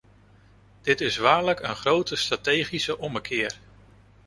Dit is waarlijk een grote strategische ommekeer.